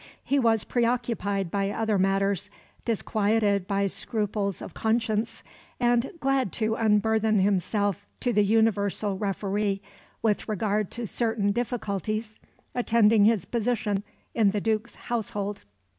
He was preoccupied by other matters, disquieted by scruples of conscience, and glad to unburthen himself to the universal referee with regard to certain difficulties attending his position in the Duke's household.